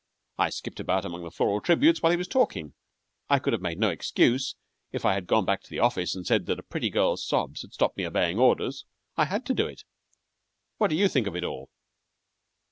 I skipped about among the floral tributes while he was talking. I could have made no excuse if I had gone back to the office and said that a pretty girl's sobs had stopped me obeying orders. I had to do it. What do you think of it all?